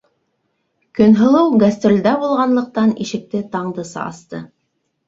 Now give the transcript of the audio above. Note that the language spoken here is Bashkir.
Көнһылыу гастролдә булғанлыҡтан, ишекте Таңдыса асты.